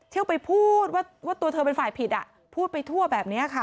เที่ยวไปพูดว่าตัวเธอเป็นฝ่ายผิดพูดไปทั่วแบบนี้ค่ะ